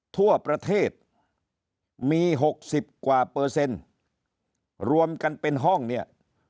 ทั่วประเทศมี๖๐กว่าเปอร์เซ็นต์รวมกันเป็นห้องเนี่ย